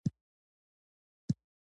په هغه سیمه کې چې دا ناره جوړه شوې ده.